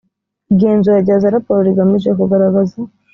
igenzura rya za raporo rigamije kugaragaza